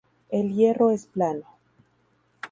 El hierro es plano.